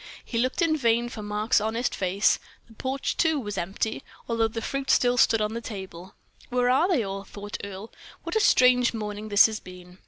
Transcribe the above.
He looked in vain for Mark's honest face. The porch, too, was empty, although the fruit still stood upon the table. "Where are they all?" thought Earle. "What a strange morning this has been!"